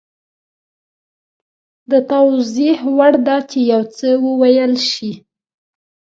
د توضیح وړ ده چې یو څه وویل شي